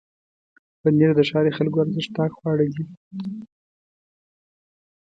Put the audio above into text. پنېر د ښاري خلکو ارزښتناکه خواړه دي.